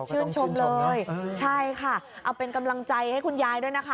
ชื่นชมเลยใช่ค่ะเอาเป็นกำลังใจให้คุณยายด้วยนะคะ